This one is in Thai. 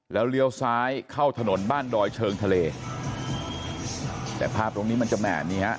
แล้วเลี้ยวซ้ายเข้าถนนบ้านดอยเชิงทะเลแต่ภาพตรงนี้มันจะแหม่นี้ฮะ